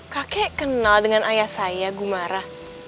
kakek kenal dengan ayah saya gumara